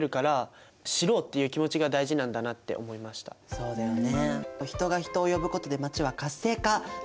そうだよね。